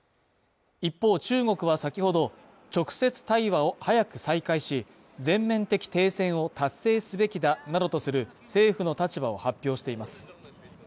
一方中国は先ほど、直接対話を早く再開し、全面的停戦を達成すべきだなどとする政府の立場を発表しています。